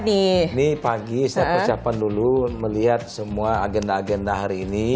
ini pagi saya persiapan dulu melihat semua agenda agenda hari ini